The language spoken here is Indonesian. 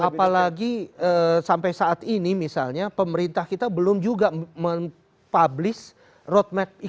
apalagi sampai saat ini misalnya pemerintah kita belum juga mempublish road map e commerce yang sedikit